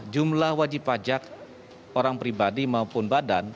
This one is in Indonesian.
jumlah wajib pajak orang pribadi maupun badan